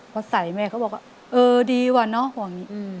เพราะใส่แม่เขาบอกว่าเออดีว่าน่ะห่วงนี้